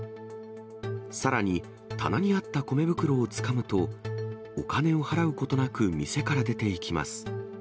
さらに棚にあった米袋をつかむと、お金を払うことなく店から出ていきます。